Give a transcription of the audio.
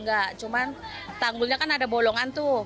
enggak cuman tanggulnya kan ada bolongan tuh